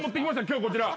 今日こちら。